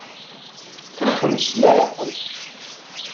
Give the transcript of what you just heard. Ṛuḥem s leɛqel.